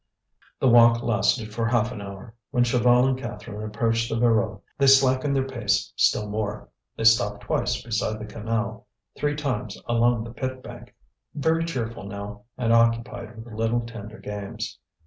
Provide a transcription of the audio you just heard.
The walk lasted for half an hour. When Chaval and Catherine approached the Voreux they slackened their pace still more; they stopped twice beside the canal, three times along the pit bank, very cheerful now and occupied with little tender games.